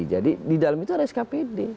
di dalam itu ada skpd